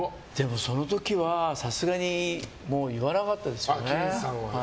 その時はさすがに言わなかったですよね。